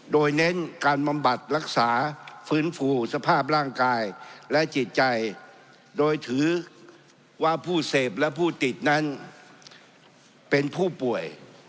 โดยเน้นการบำบัดรักษาฟื้นฟูสภาพร่างกายและจิตใจโดยถือว่าผู้เสพและผู้ติดนั้นเป็นผู้ป่วย